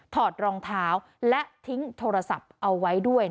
ถอดรองเท้าและทิ้งโทรศัพท์เอาไว้ด้วย